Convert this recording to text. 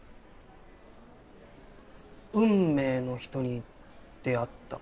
運命の人に出会った。